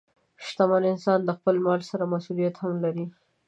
شتمن انسان د خپل مال سره مسؤلیت هم لري.